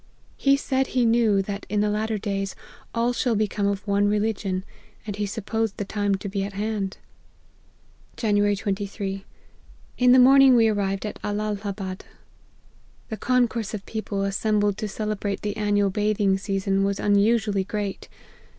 He said he knew, that in the latter days, all shall become of one religion ; and he supposed the time to be at hand." " Jan. 23. In the morning we arrived at Al lahabad. " The concourse of people assembled to cele brate the annual bathing season, was unusually great.